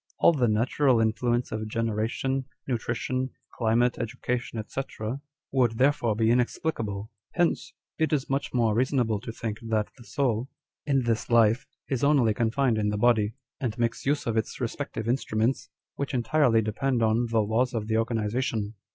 All the natural influence of generation, nutrition, climate, education, &c. would therefore be inexplicable. 1 Page 56. On Dr. Spurzheims Theory. 195 Hence, it is much more reasonable to think that the soul, in this life, is only confined in the body, and makes use of its respective instruments, which entirely depend on the laws of the organization.